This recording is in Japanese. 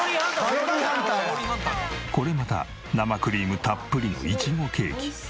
これまた生クリームたっぷりのイチゴケーキ１ホールを。